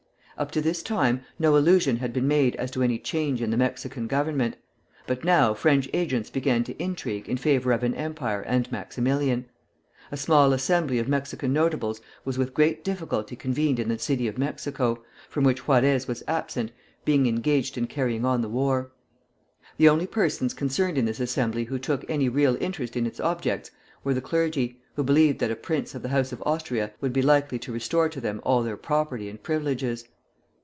Up to this time no allusion had been made as to any change in the Mexican government; but now French agents began to intrigue in favor of an empire and Maximilian. A small assembly of Mexican notables was with great difficulty convened in the city of Mexico, from which Juarez was absent, being engaged in carrying on the war. The only persons concerned in this assembly who took any real interest in its objects were the clergy, who believed that a prince of the House of Austria would be likely to restore to them all their property and privileges.